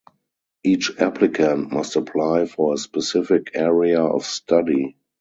Each applicant must apply for a specific area of study.